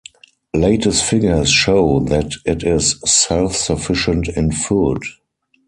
Latest figures show that it is self-sufficient in food.